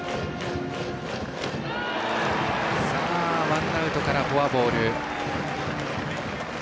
ワンアウトからフォアボール。